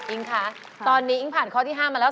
คะตอนนี้อิ๊งผ่านข้อที่๕มาแล้ว